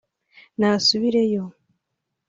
nasubireyo